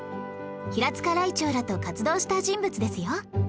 平塚らいてうらと活動した人物ですよ